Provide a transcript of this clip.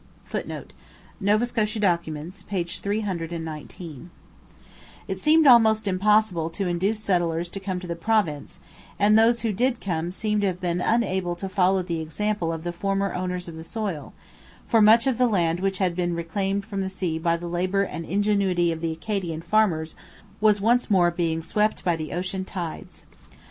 [Footnote: Nova Scotia Documents, p. 319.] It seemed almost impossible to induce settlers to come to the province; and those who did come seem to have been unable to follow the example of the former owners of the soil, for much of the land which had been reclaimed from the sea by the labour and ingenuity of the Acadian farmers was once more being swept by the ocean tides.